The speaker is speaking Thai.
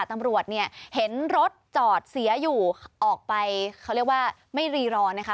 ตำรวจเนี่ยเห็นรถจอดเสียอยู่ออกไปเขาเรียกว่าไม่รีรอนะคะ